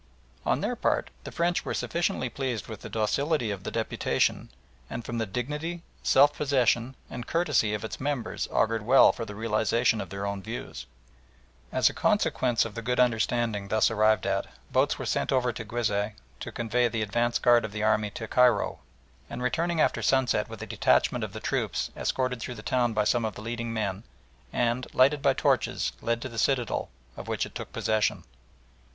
On their part the French were sufficiently pleased with the docility of the deputation, and from the dignity, self possession, and courtesy of its members augured well for the realisation of their own views. As a consequence of the good understanding thus arrived at, boats were sent over to Guizeh to convey the advance guard of the army to Cairo, and returning after sunset with a detachment of the troops escorted through the town by some of the leading men, and, lighted by torches, led to the citadel, of which it took possession.